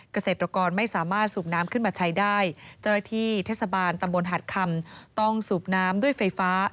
เกษตรกรไม่สามารถสูบน้ำขึ้นมาใช้ได้เจ้าหน้าที่เทศบาลตำบลหัดคำต้องสูบน้ำด้วยไฟฟ้า